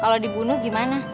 kalau dibunuh gimana